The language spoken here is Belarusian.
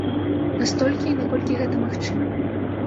Настолькі, наколькі гэта магчыма.